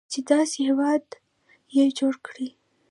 چې داسې هیواد یې جوړ کړی.